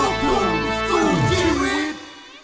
โลกโทรศูนย์ที่ริป